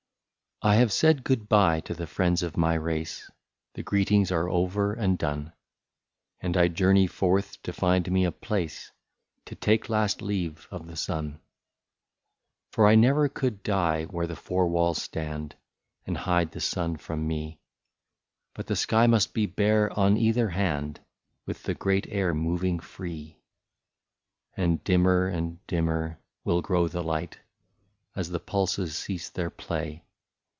I HAVE said good bye to the friends of my race, The greetings are over and done, — And I journey forth to find me a place To take last leave of the sun. For I never could die where the four walls stand, And hide the sun from me, But the sky must be bare on either hand. With the great air moving free. And dimmer and dimmer will grow the light, As the pulses cease their play.